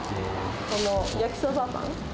この焼きそばパン。